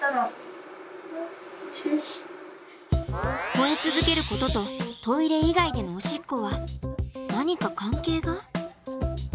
吠え続けることとトイレ以外でのおしっこは何か関係が？